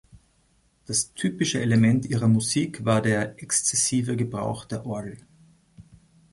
Das typische Element ihrer Musik war der „exzessive“ Gebrauch der Orgel.